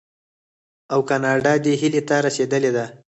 او کاناډا دې هیلې ته رسیدلې ده.